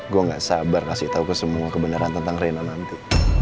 gue gak sabar kasih tahu ke semua kebenaran tentang rena nanti